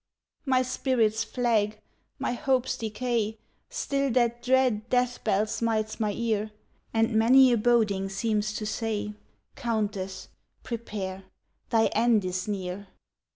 "My spirits flag my hopes decay Still that dread death bell smites my ear, And many a boding seems to say, 'Countess, prepare, thy end is near!'"